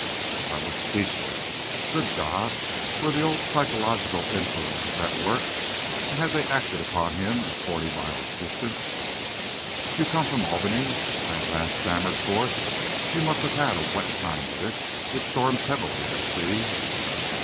I was speechless. Good God! were the old psychological influences at work, and had they acted upon him at forty miles distance? "You come from Albany?" I at last stammered forth. "You must have had a wet time of it; it storms heavily, I see."